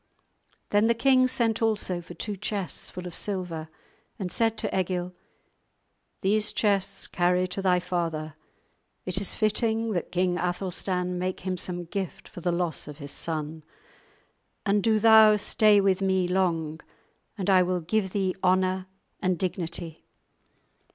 Then the king sent also for two chests full of silver, and said to Egil:— "These chests carry to thy father; it is fitting that King Athelstan make him some gift for the loss of his son. And do thou stay with me long, and I will give thee honour and dignity."